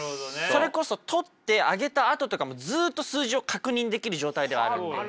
それこそ撮って上げたあととかもずっと数字を確認できる状態ではあるんで。